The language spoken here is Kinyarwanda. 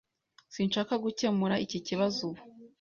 Sinshaka gukemura iki kibazo ubu.